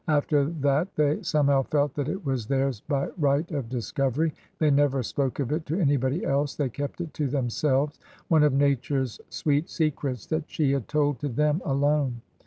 After that they somehow felt that it was theirs by right of discovery. They never spoke of it to anybody else; they kept it to themselves — one of Nature's sweet secrets that she had told to them alone.